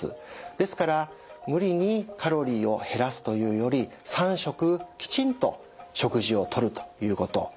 ですから無理にカロリーを減らすというより３食きちんと食事をとるということ。